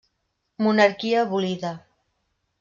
Monarquia abolida.